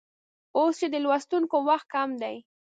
اوس چې د لوستونکو وخت کم دی